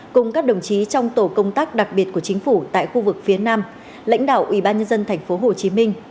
cùng các đồng chí trong tổ công tác đặc biệt của chính phủ tại khu vực phía nam lãnh đạo ủy ban nhân dân tp hcm